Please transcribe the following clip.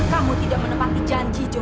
kamu tidak menepati janji john